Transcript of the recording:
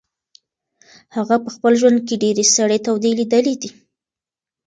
هغه په خپل ژوند کې ډېرې سړې تودې لیدلې دي.